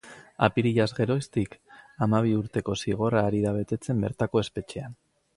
Apirilaz geroztik, hamabi urteko zigorra ari da betetzen bertako espetxean.